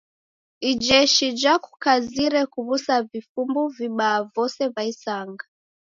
Ijeshi jakukazire kuw'usa vifumbu vibaa vose va isanga.